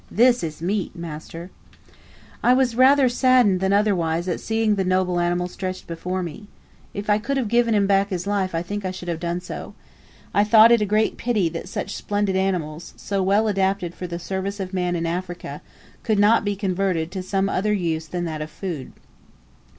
"This is meat, master!" I was rather saddened than otherwise at seeing the noble animal stretched before me. If I could have given him his life back I think I should have done so. I thought it a great pity that such splendid animals, so well adapted for the service of man in Africa, could not be converted to some other use than that of food.